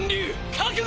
覚悟！